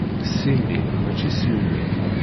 S timmi, mačči s yimi.